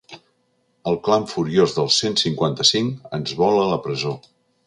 El clan furiós del cent cinquanta-cinc ens vol a la presó.